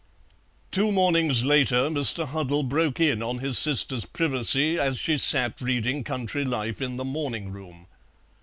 Two mornings later Mr. Huddle broke in on his sister's privacy as she sat reading Country Life in the morning room.